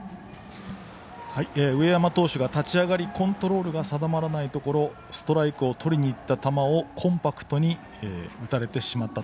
上山投手が立ち上がりコントロールが定まらないところストライクをとりにいった球をコンパクトに打たれてしまった。